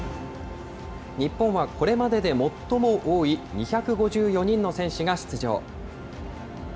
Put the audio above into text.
日本はこれまでで最も多い、２５４人の選手が出場。